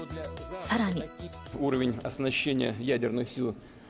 さらに。